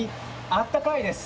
温かいです。